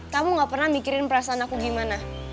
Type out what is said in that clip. kamu gak pernah mikirin perasaan aku gimana